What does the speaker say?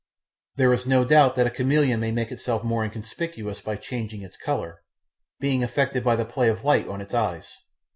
There is no doubt that a chameleon may make itself more inconspicuous by changing its colour, being affected by the play of light on its eyes.